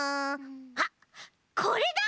あっこれだ！